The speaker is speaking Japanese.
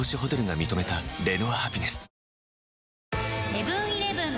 セブン−イレブン